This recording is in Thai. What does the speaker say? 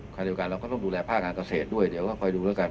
ไฟเดียวกาลเราก็ต้องดูแลภาพงานเกษตรด้วยเดี๋ยวก็คอยดูนะกัน